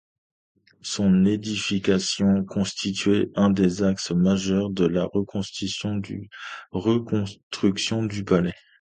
Son édification constituait un des axes majeurs de la reconstruction du palais.